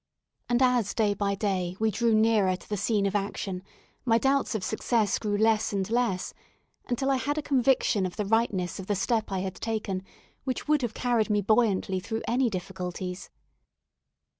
And as day by day we drew nearer to the scene of action, my doubts of success grew less and less, until I had a conviction of the rightness of the step I had taken, which would have carried me buoyantly through any difficulties.